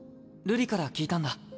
瑠璃から聞いたんだ。